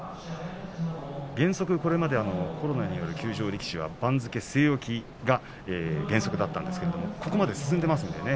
原則これまでコロナによる休場力士は番付据え置きだったんですがここまで進んでいますからね。